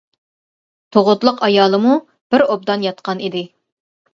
تۇغۇتلۇق ئايالىمۇ بىر ئوبدان ياتقان ئىدى.